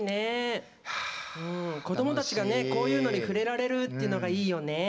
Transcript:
子供たちがねこういうのに触れられるっていうのがいいよね。